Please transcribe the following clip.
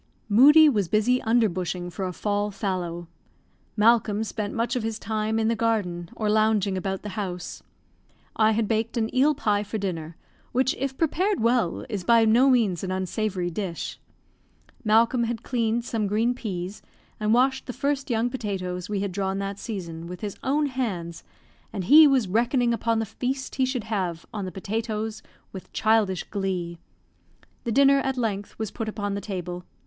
Moodie was busy under bushing for a fall fallow. Malcolm spent much of his time in the garden, or lounging about the house. I had baked an eel pie for dinner, which if prepared well is by no means an unsavoury dish. Malcolm had cleaned some green peas and washed the first young potatoes we had drawn that season, with his own hands, and he was reckoning upon the feast he should have on the potatoes with childish glee. The dinner at length was put upon the table.